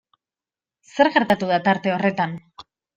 Zer gertatu da tarte horretan?